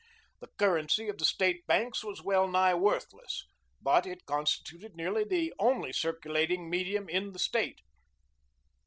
The currency of the State banks was well nigh worthless, but it constituted nearly the only circulating medium in the State.